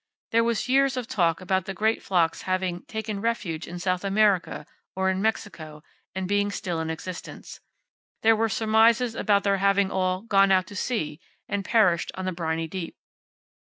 There was years of talk about the great flocks having "taken refuge in South America," or in Mexico, and being still in existence. There were surmises about their having all "gone out to sea," and perished on the briny deep.